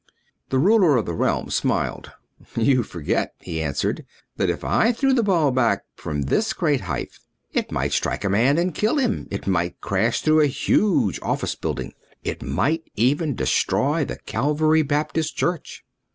'" The ruler of the realm smiled. "You forget," he answered, "that if I threw the ball back from this great height it might strike a man and kill him, it might crash through a huge office building, it might even destroy the Calvary Baptist Church."